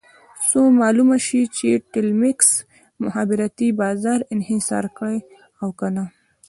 څو معلومه شي چې ټیلمکس مخابراتي بازار انحصار کړی او که نه.